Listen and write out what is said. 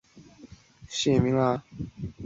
此后在道光二十二年时又陆续有整修过。